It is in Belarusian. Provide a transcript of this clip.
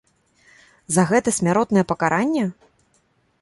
За гэта смяротнае пакаранне?